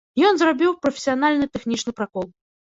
Ён зрабіў прафесіянальны тэхнічны пракол.